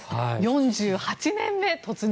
４８年目突入